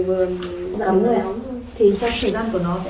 cái này có an toàn cho trẻ con trẻ con cần được